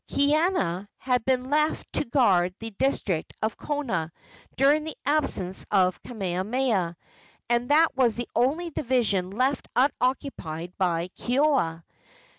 Kaiana had been left to guard the district of Kona during the absence of Kamehameha, and that was the only division left unoccupied by Keoua.